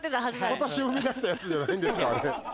今年生み出したやつではないんですかあれ。